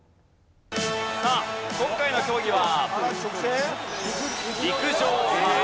さあ今回の競技は。